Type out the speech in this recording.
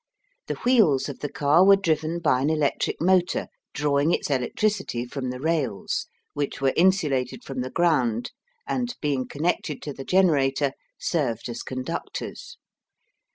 The wheels of the car were driven by an electric motor drawing its electricity from the rails, which were insulated from the ground, and being connected to the generator, served as conductors.